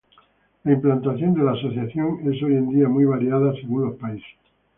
La implantación de la asociación es hoy en día muy variada según los países.